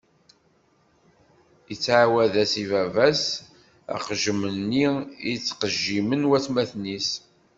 Ittɛawad-as i baba-s aqejjem-nni i ttqejjimen watmaten-is.